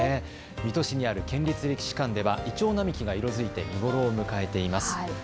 水戸市にある県立歴史館ではいちょう並木が色づいて見頃を迎えています。